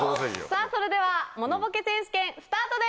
さぁそれではモノボケ選手権スタートです！